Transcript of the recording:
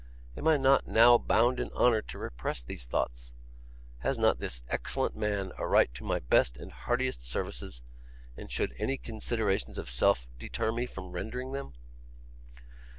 Am I not now bound in honour to repress these thoughts? Has not this excellent man a right to my best and heartiest services, and should any considerations of self deter me from rendering them?